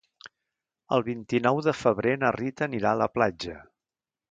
El vint-i-nou de febrer na Rita anirà a la platja.